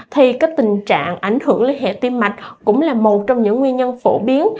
thì tình trạng ảnh hưởng lý hệ tim mạch cũng là một trong những nguyên nhân phổ biến